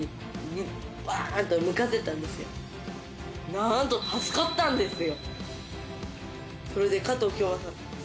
なんと助かったんですよ！